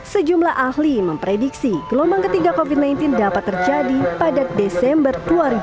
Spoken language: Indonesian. sejumlah ahli memprediksi gelombang ketiga covid sembilan belas dapat terjadi pada desember dua ribu dua puluh